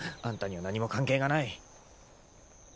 あんたには何も関係がない。